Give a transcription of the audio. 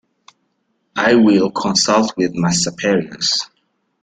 I will consult with my superiors.